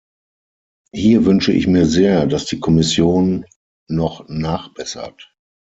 Hier wünsche ich mir sehr, dass die Kommission noch nachbessert.